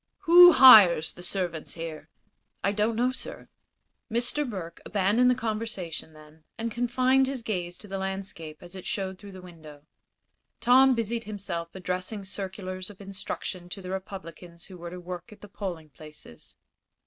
"Who hires the servants here?" "I don't know, sir." Mr. Burke abandoned the conversation, then, and confined his gaze to the landscape as it showed through the window. Tom busied himself addressing circulars of instruction to the Republicans who were to work at the polling places.